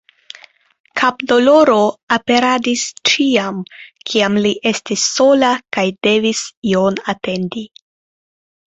Kapdoloro aperadis ĉiam kiam li estis sola kaj devis ion atendi.